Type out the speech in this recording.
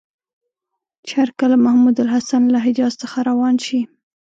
چې هرکله محمودالحسن له حجاز څخه روان شي.